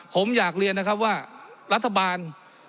ผมอยากเรียนว่ารัฐบาล